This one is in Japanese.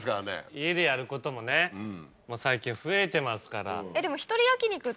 家でやることもね最近増えてますから。